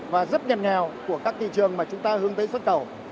và rất nhẹ nhàng của các thị trường mà chúng ta hướng tới xuất khẩu